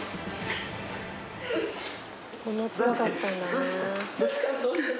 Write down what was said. そんなつらかったんだね。